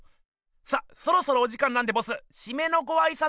さあそろそろお時間なんでボスシメのごあいさつを。